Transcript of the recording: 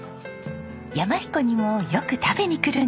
山ひこにもよく食べに来るんです。